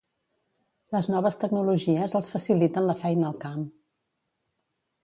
Les noves tecnologies els faciliten la feina al camp.